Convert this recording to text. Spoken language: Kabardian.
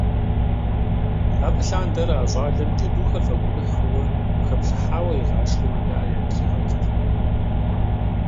Абы лъандэрэ а щӏалэм джэдухэр фӀэгуэныхь хъууэ хэплъыхьауэ игъашхэу и нэӀэ ятригъэтт.